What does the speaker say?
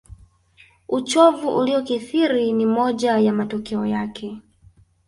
Uchovu uliokithiri ni moja ya matokeo yake